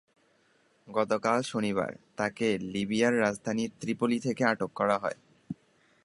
গতকাল শনিবার সকালে তাঁকে লিবিয়ার রাজধানী ত্রিপোলি থেকে আটক করা হয়।